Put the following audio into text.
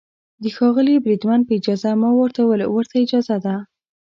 د ښاغلي بریدمن په اجازه، ما ورته وویل: ورته اجازه ده.